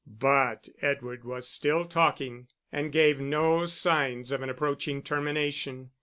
But Edward was still talking, and gave no signs of an approaching termination.